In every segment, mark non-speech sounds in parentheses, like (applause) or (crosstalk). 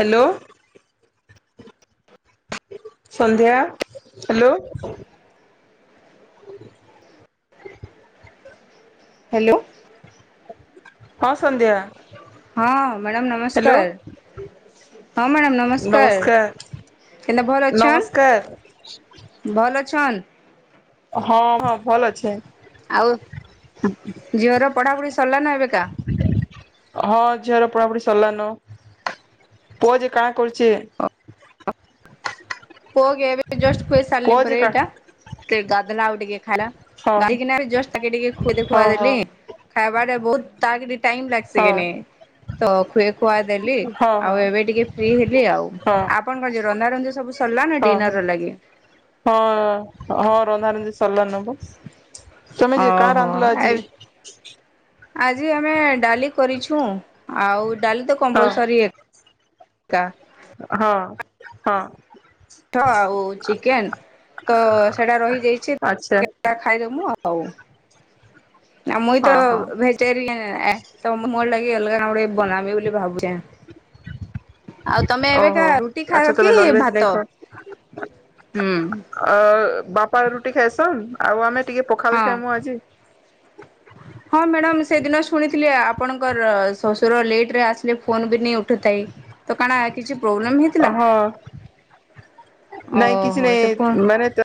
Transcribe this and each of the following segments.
Hello! Sandhya? Hello! Hello! ହଁ, ସନ୍ଧ୍ୟା। ହଁ, madam hello ନମସ୍କାର। ହଁ ମ୍ୟାଡ଼ମ ନମସ୍କାର, କେନ୍ତା ଭଲ ଅଛନ୍? ନମସ୍କାର ଭଲ ଅଛନ୍? ହଁ, ହଁ, ଭଲ ଅଛେ। ଆଉ ଝିଅର ପଢ଼ା ପଢି ସରିଲାଣି ନା ଏବେକା? ହଁ, ଝିଅର ପଢାପଢି ସରିଲାନ। ପୁଅ ଯେ କାଣା କରୁଛି? ପୁଅ କେ ଏବେ ଜଷ୍ଟ ଖୁଇ ସାରିଲି ପୁଅ ଯେ ପରେ କା ଏଇଟା, ଗାଧଲା ଆଉ ଟିକେ ଖାଇଲା। ହଁ ଗାଧେଇକିନା ଜଷ୍ଟ ତାେକେ ଟିକେ ଖୁଦେ ହଁ ହଁ ଖୁଆଦେଲି ଖାଇବାଟ ବହୁତ ତା (inaudible) ଟାଇମ୍ ଲାଗ ହଁ ସିକିନି, ତ ଖୁଏ ଖୁଆ ଦେଲି ହଁ ହଁ ଆଉ ଏବେ ଟିକେ ଫ୍ରି ହେଲି ଆଉ। ହଁ ଆପଣଙ୍କ ଯୋଉ ରନ୍ଧା ରନ୍ଧା ସବୁ ସରିଲା ନା ହଁ ହଁ ଡିନର ର ଲାଗି? ହଁ, ହଁ, ରନ୍ଧାରନ୍ଧି ସରଲାନବୁ। ତୁମେ ଯେ କା ଓହୋ ରାନ୍ଧିଲ ଏ ଆଜି? ଆଜି ଆମେ ଡାଲି କରିଛୁ, ଆଉ ଡାଲି ତ ହଁ କମ୍ପଲସରୀ ଏ କା। ହଁ, ହଁ। ଛ ଆଉ ଚିକେନ୍ ତ ସେଇଟା ରହିଯାଇଛି ଆଚ୍ଛା (unintelligible) ଖାଇଦେମୁ ଆଉ। ଆଉ ମୁଇଁ ତ ହଁ ହଁ ଭେଜିଟେରିଏନ୍, ତ ମୁଁ ମୋର ଲାଗି ଅଲଗା କଣ ଗୋଟେ ବନାବେ ବୋଲି ଭାବୁଛେ। ଆଉ ତମେ ଏବେକା ଓହୋ ରୁଟି ଆଚ୍ଛା ଖାଇବ ତମେ କି ନନଭେଜ ନାଇଁ ଭାତ, ହୁଁ। ଆ ବାପା ରୁଟି ଖାଇସନ୍, ଆଉ ଆମେ ଟିକେ ପଖାଲ୍ ହଁ। ଖାଇଁମୁ ଆଜି। ହଁ, ମ୍ୟାଡ଼ାମ ସେଦିନ ଶୁଣିଥିଲି ଆପଣଙ୍କର ଶ୍ବଶୁର ଲେଟରେ ଆସିଲେ ଫୋନ ବି ନାଇ ଉଠୁଥାଇ। ତ କାଣା କିଛି ପ୍ରୋବ୍ଲେମ୍ ଅ ହଁ, ନାଇଁ କିଛି ଓହୋ ସେ ଫୋନ ନାଇଁ ମାନେ ତ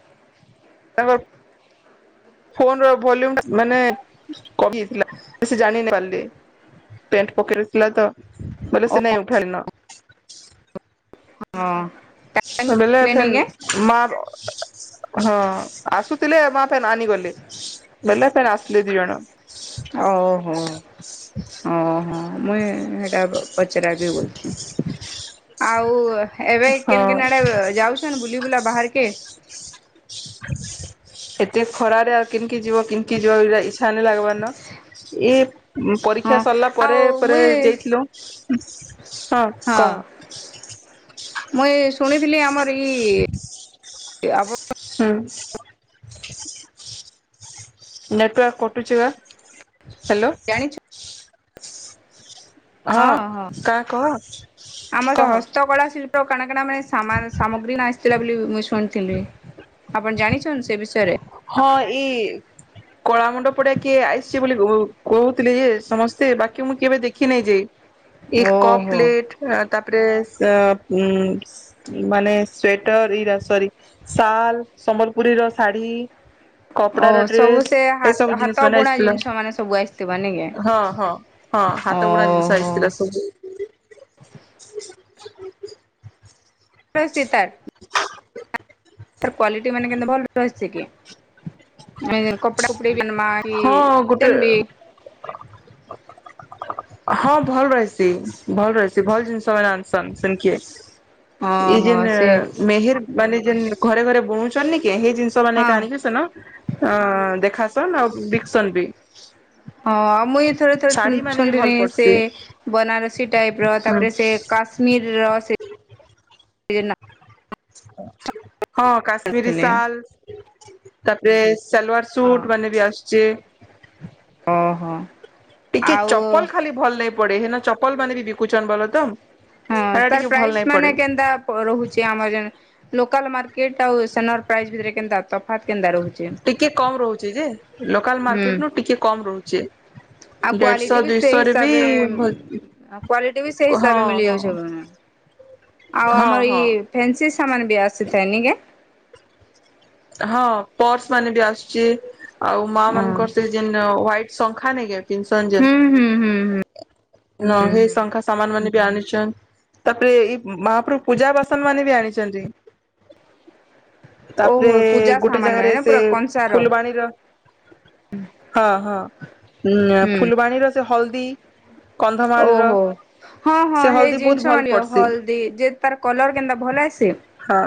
ଫୋନର ଭଲ୍ୟୁମ୍ ଟା ମାନେ କମି ଯାଇଥିଲା, ସେ ଯାଣି ନାଇଁ ପାରିଲେ। ପେଣ୍ଟ ପକେଟ୍ ରେ ଥିଲା ତ, ବୋଲେ ଓ ସେ ନାଇଁ। (inaudible) ହଁ। ଟାଇମ୍ ଆସିଲେନି ଆଜ୍ଞା (unintelligible) (unintelligible) (unintelligible) ଓହୋ। (unintelligible) ହଁ (unintelligible) (unintelligible) ଏଇ ପରୀକ୍ଷା ହଁ ସରିଲା ପରେ ଆଉ ପରେ ମୁଇଁ ଦେଇଥିଲୁ। ହଁ ହଁ କହ? ମୁଇଁ ଶୁଣିଥିଲି ଆମର ଇ ଆପଣ ହୁଁ। ନେଟ୍ ୱାର୍କ କଟୁଛି ବା ହ୍ୟାଲୋ। ଜାଣିଛ ହଁ ହଁ ହଁ କାଁ କହ ଆମର ତ କହ ହସ୍ତକଳା ଶିଳ୍ପୀ (unintelligible) ଆପଣ ଜାଣିଛନ ସେ ବିଷୟରେ? ହଁ ଏଇ କଳା ମଣ୍ଡପରେ କିଏ ଆସିଛି ବୋଲି କହୁଥିଲି ଯେ ସମସ୍ତେ ବାକି ମୁଁ କେବେ ଦେଖିନାହିଁ ଯେ। ଏଇ କପ୍ ଓହୋ ପ୍ଲେଟ୍ ତାପରେ ମାନେ ସ୍ଵେଟର ଏଇରା ସରି ସାଲ ସମ୍ବଲପୁରୀ ର ଶାଢୀ। ଓ କପଡାର ସବୁ ଡ୍ରେସ୍ ସେ ହାତ ଏସବୁ ହାତ ଜିନିଷ ମାନେ ବୁଣା ଆସିଥିଲା ଜିନିଷ ମାନେ ସବୁ ଆସିଥିବ ନାଇଁ କେଁ? ହଁ ହଁ। ହଁ ହାତ ବୁଣା ଜିନିଷ ଓହୋ ଆସିଥିଲା ସବୁ। (unintelligible) ତାର କ୍ବାଲିଟି ମାନେ (inaudible) ଭଲ ଆସିଛି କି? ହଁ ଗୋଟେ (unintelligible) (unintelligible) ଓହୋ ସେ (unintelligible) ହଁ (unintelligible) ହଁ ଆଉ ମୁଇଁ ଥରେ ଥରେ ଶାଢୀ ମାନେ ବି ଭଲ ଶୁଣିଥିନି ସେ ପଡସି ବନାରସୀ ଟାଇପ୍ ର ହୁଁ ତାପରେ ସେ କା କାଶ୍ମୀର ସେ ହଁ କାଶ୍ମୀରୀ ଥିଲେ ଶାଲ୍ ତାପରେ ସାଲୱାର ସୁଟ୍ ମାନେ ବି ଆସୁଛି। ଓ ହୋ। (unintelligible) ହଁ ହେଟା ତାର ଟିକେ ଭଲ ପ୍ରାଇସ୍ ନାଇଁ ପଡେ। ମାନେ କେନ୍ତା ରହୁଛି ଆମର ଜେନ ଲୋକାଲ ମାର୍କେଟ ଆଉ ସେନ ର ପ୍ରାଇସ୍ ଭିତରେ କେନ୍ତା ତ ଟିକେ କମ୍ ରହୁଚି ଯେ ଲୋକାଲ ହୁଁ। ମାର୍କେଟ ନୁ ଟିକେ କମ୍ ରହୁଚେ। ଆଉ କ୍ଵାଲିଟି ବି ସେଇ ହିସାବରେ ଭଲ କ୍ଵାଲିଟି ବି ସେଇ ହିସାବ ହଁ ହଁ ମିଳିଯାଉଛ ଆଉ ହଁ ଆମର ଇ ହଁ ଫେନ୍ସି ସାମାନ ବି ଆସିଥାଏ ନିଇକା ହଁ ପର୍ସ ମାନେ ବି ଆସୁଛି ଆଉ ମା ହୁଁ ମାନଙ୍କର ସେଇ ଯେନ୍ ହ୍ୱାଇଟ୍ ଶଙ୍ଖା ନାଇକା ପିନ୍ଧୁ ସନ୍ ଯେନ୍ ହୁଁ ହୁଁ ହୁଁ ନ ହେଇ ଶଙ୍ଖା ସମାନ୍ ମାନେ ବି ଆଣିଛନ୍ ତାପରେ ଏଇ ମହାପ୍ରୁ ପୂଜା ବାସନ ମାନେ ବି ଆଣିଛନ୍ତି। ପରେ ଓହୋ ପୂଜା ଗୋଟେ ସାମାନ ମାନେ ଜାଗାରେ ନା ସେ ପୁରା କଂସାର। ଫୁଲବାଣୀର ହଁ ହଁ ହୁଁ ଫୁଲବାଣୀର ସେ ହଳଦୀ। କନ୍ଧମାଳର ଓହୋ। ହଁ ହଁ ସେ ହେଇ ହଳଦୀ ବହୁତ ଜିନିଷ ଭଲ ମିଳିବ ପଡସି ହଳଦୀ ଯେ ତାର କଲର କେନ୍ତା ଭଲ ଆସି? ହଁ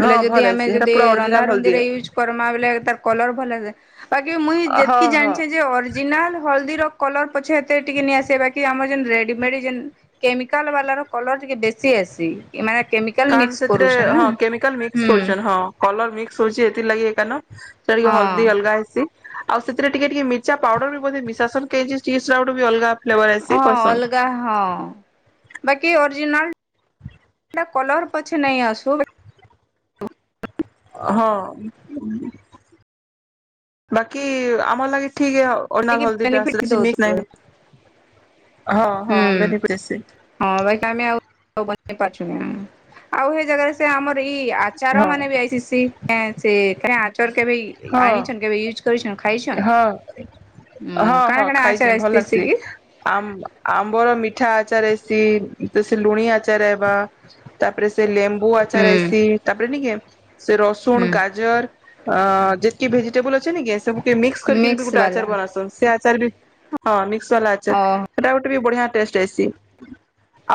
ବୋଲେ ହଁ ଯଦି ଭଲ ଆମେ ହେଇସି ସେଟା ଯଦି ପୁରା ରନ୍ଧା ଅରିଜିନାଲ ହଳଦୀ ରୁନ୍ଧିରେ ୟୁଜ କରମା ବଲେ ତାର କଲର ଭଲ ଆ ବାକି ମୁଇଁ ହଁ ଯେତିକି ହଁ ଜାଣିଛେ ଯେ ଅରିଜିନାଲ ହଳଦୀର କଲର ପଛେ ଏତେ ଟିକେ ନିଆସିବ ବାକି ଆମର ଯେ ରେଡ଼ିମେଡ଼ି ଯେନ୍ କେମିକାଲ୍ ବାଲା ର କଲର୍ ଟିକେ ବେଶୀ ଆସି। ଏ ମାନେ କେମିକା କାରଣ ସେଥିରେ ହଁ କେମିକାଲ୍ ମିକ୍ସ କରୁଛନ୍ ହଁ। କଲର୍ ମିକ୍ସ ହଉଛି ଏତି ଲାଗି ଏକା ନ ସେ ଟିକେ ହଁ ହଲଦୀ ଅଲଗା ହେଇସି ଆଉ ସେଥିରେ ଟିକେ ଟିକେ ମି ଚା ପାଉଡର ବି ବୋଧେ ମିଶାସନ କେଜି ଯେ ଚିଜ୍ (unintelligible) ଅଲଗା। ଫ୍ଲେଭର ଆସି ହଁ ଅଲ୍ କରସନ୍ ଲଗା ହଁ ବାକି ଅରିଜିନାଲଟା କଲର ପଛେ ନାଇ ଆସୁ ହଁ ବାକି ଆମ ଲାଗି ଠିକେ ହ ବାକି ଅରିଜିନାଲ ହଳଦିଟା ବେନିଫିଟ ସେଠି କିଛି ମିକ୍ସ ଦଉଥିବ ନାଇଁ ହଁ ହଁ, ହୁଁ। ମେନିପ୍ରେସିଙ୍ଗ୍। ହଁ ବାକି ଆମ ଆଉ ତାକୁ ବନେଇ ପାରୁଚୁ କି ନାଇ ଆଉ ଏ ଜାଗାରେ ରେ ଆମର ଇ ଆଚାର ହଁ ମାନେ ବି ଆଇସି (unintelligible) ଚର କେବେ ହଁ ଆଣିଛନ୍ କେବେ ୟୁଜ୍ କରିଛନ୍ ଖାଇଛନ୍? ହଁ ଉଁ ହଁ କାଣା ହଁ କାଣା ଆଚାର ଖାଇଛି ଭଲ ଆସିଥିସି ଲାଗ୍ସି। କି ଆମ୍ ଆମ୍ବର ମିଠା ଆଚାର ଏସି ତ ସେ ଲୁଣି ଆ ଆଚାର ଆଇବା ତାପରେ ସେ ଲେମ୍ବୁ ଆଚାର ହୁଁ ଏସି ତାପରେ ଟିକେ ସେ ରସୁଣ୍ ହୁଁ ଗାଜର୍ ଅ ଯେତିକି ଭେଜିଟେବୁଲ ଅଛି ନେକି ସବୁକେ ମିକ୍ସ୍ କରିକି ବି ମିକ୍ସ ଗୋଟେ ଆଚାର ବାଲା ବନାସନ୍ ସେ ଆଚାର ବି ହଁ ମିକ୍ସ ବାଲା ଆଚା ଓ ହେଟା ଗୋଟେ ବି ବଢ଼ିଆ ଟେଷ୍ଟ ଆସି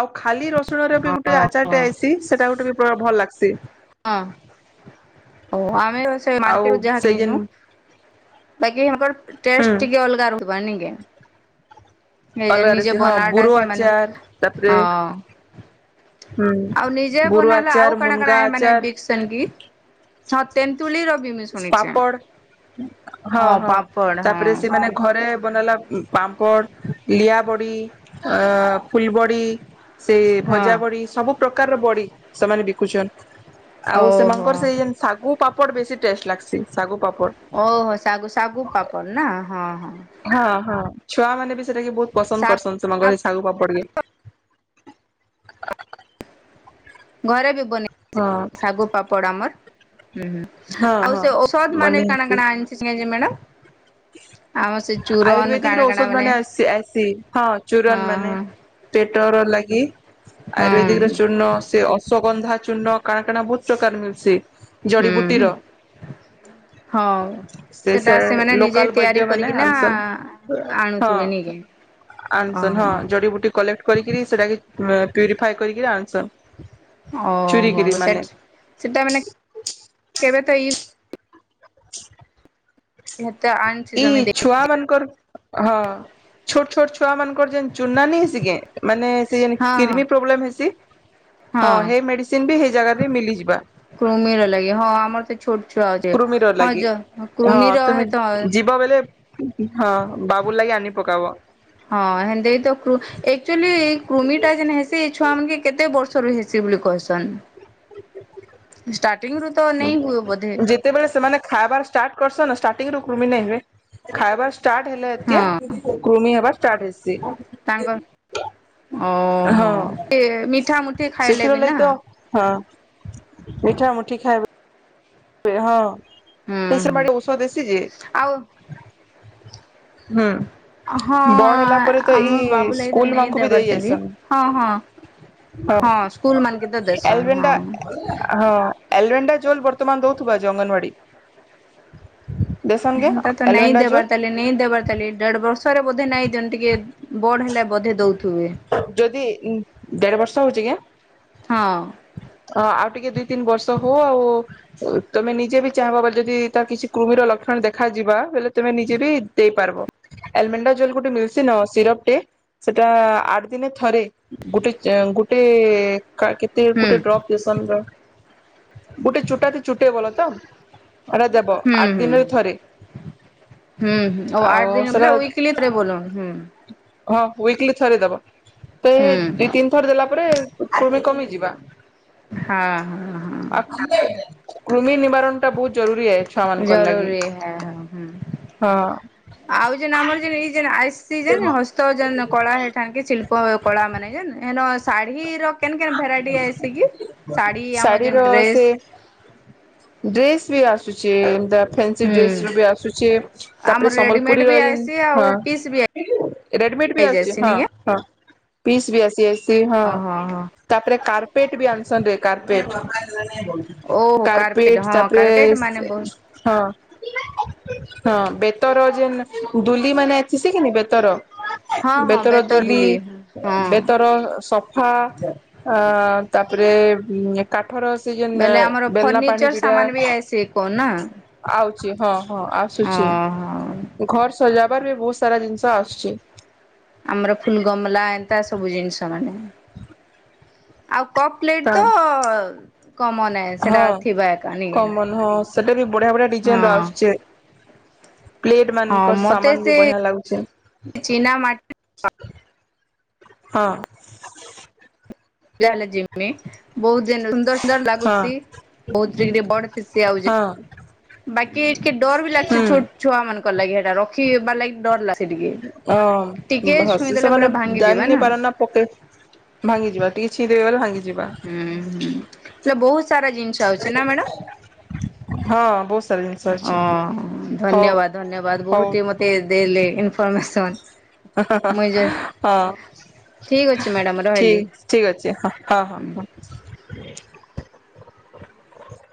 ଆଉ ଖାଲି ରସ୍ ଲୁଣରେ ବି ଗୁଟେ ଓହୋ ଆଚାରଟେ ଆଇସି ସେଟା ଗୋଟେ ବ ଭଲ୍ ଲାଗ୍ସି। ହଁ। ହଉ ଆମେ ଆଉ ମାର୍କେଟ ରୁ ଯାହା ସେ ଯେନ୍ କିଣିଛୁଁ ବାକି ଆଙ୍କର ଟେଷ୍ଟ୍ ହୁଁ ଟିକେ ଅଲଗା ରହୁ ବାନି ଗେ ଏ ଅଲଗା ନିଜେ ରେସି ହଁ ବନା ଟା ବୁରୋ ସେମାନେ ଆଚାର ତାପରେ ହଁ। ହୁଁ ଆଉ ନିଜେ ବୁରୁ ବନାଲେ ଆଉ ଆଚାର୍ କାଣା ମୁନଗା କାଣା ମାନେ ଆଚାର୍। ବିକସନ୍ କି ହଁ ତେନ୍ତୁଳିର ବି ମୁଇଁ ଶୁଣିଛେ ପାପଡ଼୍ ହଁ ହଁ ପାମ୍ପଡ଼ ହଁ ତାପରେ ସେମାନେ ଘରେ ବନେଇଲା ପାମ୍ପଡ଼୍। ଲିଆାବଡ଼ି ଅ ଫୁଲବଡ଼ି ସେ ହଁ ଜା ବଡ଼ି ସବୁ ପ୍ରକାରର ବଡ଼ି ସେମାନେ ବିକୁଛନ୍ ଆଉ ଓହୋ ସେମାନଙ୍କର ସେଇ ଯେନ୍ ଶାଗୁ ପାପଡ଼୍ ବେଶୀ ଟେଷ୍ଟ ଲାଗ୍ସି ଶାଗୁ ପାପଡ଼ ଓହୋ ଶାଗୁ ଶାଗୁ ପାପଡ଼୍ ନା ହଁ ହଁ। ହଁ ହଁ ଛୁଆ ମାନେ ବି ସେଟାକେ ବହୁତ ପସନ୍ଦ ଶାଗୁ କରସନ୍ ସେମାନଙ୍କର ସେ ଶାଗୁ ପାପଡ଼୍ ବି। ଘରେ ବି ବନେ ହଁ। ଶାଗୁ ପାପଡ଼୍ ଆମର ହୁଁ ହୁଁ ହଁ ଆଉ ହଁ ସେ ଓଷଧ୍ ମାନେ ବନେଇ ବି କାଣା ହେସି କାଣା ଆଣି ସିଆଞ୍ଜି ମ୍ୟାଡ଼ାମ୍ ଆୟୁର୍ବେଦିକ କାଣା ର କାଣା ଓଷଧ୍ ମାନେ ଆସି ଆସି ହଁ ଚୁରନ୍ ହଁ ମାନେ। ହଁ ପେଟର ଲାଗି ହଁ ଆୟୁର୍ବେଦିକର ଚୂର୍ଣ୍ଣ ସେ ସୋଗନ୍ଧା ଚୁର୍ଣ୍ଣ କାଣା କାଣା ବହୁତ ପ୍ରକାର ମିଳୁସି। ହୁଁ ଜଡ଼ିବୁଟିର ହଁ ସେ ସେଟା ସେ ସେମାନେ ନିଜେ ଲୋକାଲ୍ ତିଆରି ବୈଦ୍ୟ ମାନେ କରିକିନା ଆନସନ୍ ହଁ। ଆଣୁଥିବେ ନିକି ଆନସନ୍ ହଁ ଓହୋ ଜଡ଼ିବୁଟି କଲେକ୍ କରିକିରି ସେଟାକେ ପ୍ୟୁରିଫାଏ କରିକିରି ଆଣିସନ୍। ଓହୋ ସେଟ୍ ସେଟା ମାନେ କେବେ ତ ଆଣିଛି ଇ ସମେ ଛୁଆ ମାନଙ୍କର ହଁ ଛୋଟ୍ ଛୋଟ୍ ଛୁଆ ମାନଙ୍କର ଯେନ୍ ଚୁନାନୀ ଆସିକେ ମାନେ ସେ ହଁ ହଁ କିର୍ବି ପ୍ରୋବ୍ଲେମ୍ ହେଇସି। ହଁ ହେ ମେଡ଼ିସିନ ବି ହେଇ ଜାଗାରେ ମିଳିଯିବା। କୃମିର ଲାଗେ ହଁ ଆମର ତ ଛୋଟ ଛୁଆ ଅଛେ କୃମିର ହଁ ଯ କୃମିର ହେତ ଯିବା ବେଲେ ହଁ ବାବୁ ଲାଗି ଆଣି ପକାବ। ହଁ ହେନେତେ ତ କୃ ଆକ୍ଚୁଲି କୃମିଟା ଯେ‌ନେହେଁ ହେଇଛି ଛୁଆ ମାନେକେ କେତେ ବର୍ଷରୁ ହେସି ସେଇଭଳି କହିସନ ଷ୍ଟାଟିଙ୍ଗରୁ ତ ନେଇ ହୁଏ ବୋଧେ? ଯେତେବେଳେ ସେମାନେ ଖାଇବାର ଷ୍ଟାର୍ଟ କରସନ ଷ୍ଟାଟିଙ୍ଗରୁ କୃମି ନେହିଁ ହୁଏ। ଖାଇବାର ଷ୍ଟାର୍ଟ ହେଲେ ହଁ ଏତିକି କୃମି ହେବା ଷ୍ଟାର୍ଟ ହେଇସି। ତାଙ୍କ ଓ ହୋ ହଁ। ଏଁ ମିଠା ମୁଠି ଖାଇଲେ ସେଥିର ବି ଲାଗି ନା। ତ ହଁ। ମିଠା ମୁଠି ଖାଇବେ ବେ ହଁ ହୁଁ ନିଶା ହୁଁ ପାଣି ଔଷଧ ଦେଶି ଯେ। ଆଉ ହୁଁ। ହଁ ବଡ ହେଲା ପରେ ତ ଆମ ଏଇ ବାବୁ ଲାଗି ତ ସ୍କୁଲ ନେଇ ମାନଙ୍କୁ ବି ଦେବାର ଦେଇ ଦେଲି ଆସନ। ହଁ ହଁ ହଁ ସ୍କୁଲ ମାନକେ ତ ଦେସନ୍ ଏଲଭେଣ୍ଡା ହଁ। ଆ ହଁ। ଏଲଭେଣ୍ଡା ଝୋଲ୍ ବର୍ତ୍ତମାନ ଦଉଥିବ ଆଜି ଅଙ୍ଗନବାଡି। ଦେସନ୍ କେ ହେନ୍ତା ତ ନାଇଁ ଏଲଭେଣ୍ଡା ଜୋଲ ଦେବାର ଦେଲେନି ଦେବାର ତାହେଲେ ଦେଢ ବର୍ଷରେ ବୋଧେ ନାହିଁ ଯେମିତି କି ବଡ ହେଲା ବୋଧେ ଦଉଥିବେ। ଯଦି ଦେଢ ବର୍ଷ ହଉଛି କି? ହଁ। ହଁ ଆଉ ଟିକେ ଦୁଇ ତିନି ବର୍ଷ ହଉ ଆଉ। ତମେ ନିଜେ ବି ଚାହିଁବ ବୋଲି ଯଦି ତା କିଛି କୃମିର ଲକ୍ଷଣ ଦେଖାଯିବା ବେଲେ ତେମେ ନିଜେ ବି ଦେଇପାରିବ। ଏଲମେଣ୍ଡା ଜେଲ୍ ଗୋଟେ ମେଡିସିନ୍ ଆଉ ସିରପ୍ ଟେ ସେଟା ଆ ଆଠ ଦିନେ ଥରେ ଗୋଟେ ଏଁ ଗୋଟେ ଲେଖା କେତେ ହୁଁ ଗୋଟେ ଡ୍ରପ୍? ଏସନ୍ ର ଗୋଟେ ଚୁଟାତି ଚୁଟେ ଭଲ ତ। ଏଟା ଦେବ ହୁଁ ଆଠ ହୁଁ। ଦିନରେ ଥରେ। ହୁଁ ହୁଁ ଓ ହୋ ଆଠ ଆଉ ଦିନ ସେଟା ବୋଲେ ୱକିଲରେ ବୋଲ ହୁଁ। ହଁ ୱକିଲ ଥରେ ଦବ। ତ ଏଇ ହୁଁ ଦୁଇ ତିନି ଥର ଦେଲା ପରେ କୃମି କମିଯିବା? ହଁ ହଁ ହଁ। ଆଉ କୃମି ନିବାରଣ ଟା ବହୁତ ଜରୁରୀ ଏଇ ଛୁଆ ମାନଙ୍କର ଲାଗି ଜରୁରୀ ହେ ହୁଁ। ହଁ। ଆଉ ଜନେ ଆମର ଯିଏ ଏଇ ଯିଏ ନା ହସି ହସ ଯେନ କଳା ହେଇଥାନ୍ କି ଶିଳ୍ପ କଳା ମାନେ ଯେ ଏନ ଶାଢୀର କେନ କେନ ଭେରାଇଟି ଆସିକି ଶାଢ଼ୀ ଆମର ଶାଢୀର ଯେନ୍ ସେ ଡ୍ରେସ୍ ଡ୍ରେସ୍ ବି ଆସୁଛି ଏନ୍ତା। ଫ୍ୟାନ୍ସି ହୁଁ। ଡ୍ରେସ୍ ର ବି ଆସୁଛେ ତାପରେ ଆମର ରେଡିମେଡ୍ ସମ୍ବଲପୁରୀ ବି ଏଁ ଆଇସି ଆଉ ହଁ। ପିସ୍ ବି ରେଡି ମେଟ୍ ବି ଆସୁଛି ଆଇଯାଏସି ହଁ ନିକେ। ହଁ ପିସ୍ ବି ଆସିଯାଇ ଓ ହୋ ହଁ। ତାପରେ କାର୍ପେଟ ବି ଆଣିସନ କାର୍ପେଟ। ଓହୋ କାର୍ପେଟ ହଁ ତାପରେ କାର୍ପେଟ ମାନେ ବହୁତ ହଁ। ହଁ ବେତର ଯେନେ ଦୁଲି ମାନେ ଉଁଛିକି ନେବେ ବେତର। ହଁ ହଁ ବେତର ଦୁଲି ବେତରଦୁଲି ହଁ ବେତର ସ ଫା ଆଁ ତାପରେ ଉଁ କାଠର ସେଇ ଯେନେ ବୋଇଲେ ଆମର ବେଲା ପାଣି ଫର୍ଣ୍ଣିଚର ପିଡା ସାମାନ ବି ଆଇସି କଣ ନା ଆଉଛି ହଁ ହଁ ଆସୁଛି ଓହୋ ଘର ସଜାବାର ବି ବହୁତ ସାରା ଜିନିଷ ଆସୁଛି। ଆମର ଫୁଲ୍ ଗମଲା ଏନ୍ତା ସବୁ ଜିନିଷ ମାନେ ଆଉ କପ୍ ପ୍ଲେଟ୍ ତ କମନ୍ ହେ ସେଟା ହଁ ଥିବା ଏକା ନାଇଁ କମନ କି। ହଁ ସେଟା ବି ବଢିଆ ବଢିଆ ଡିଜାଇନ୍ ର ଆସୁଛି। ପ୍ଲେଟ୍ ହଁ ମାନଙ୍କର ମତେ ସାମାନ୍ ବି ସେ ବଢିଆ ଲାଗୁଛି। ଚିନା ମାଟି ହଁ। ଯା ହେଲେ ଜିମି ବହୁତ ଦିନରୁ ସୁନ୍ଦର ସୁନ୍ଦର ହଁ ଲାଗୁଛି ବହୁତ ଦିନ ବଢ ସିଏ ଆଉଛି। ହଁ ହୁଁ (unintelligible) (unintelligible) ପକେ ଭାଙ୍ଗି ପୁରା ଭାଙ୍ଗିଯିବେ ଯିବା ନା ହୁଁ ଟିକେ ଛିଦେବା ବଲେ ଭାଙ୍ଗି ଯିବା। ହୁଁ ହୁଁ ଲେ ବହୁତ ସାରା ଜିନିଷ ଅଛି ନା ମେଡ଼ମ୍? ହଁ ବହୁତ ସାରା ଜିନିଷ ଅଛି ହଁ ହଉ ଧନ୍ୟବାଦ ଧନ୍ୟବାଦ ହଉ ବହୁଟେ ମ ଏ ଦେଲେ ଇନଫର୍ମେସନ୍। ହଁ ଠି ଠିକ୍ ଠିକ୍ ଅଛି ମ୍ୟାଡ଼ାମ ରହିଲି। ହଁ ହଁ ହଁ ହଁ।